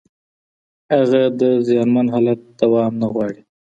هغه د زیانمن حالت دوام نه غواړي.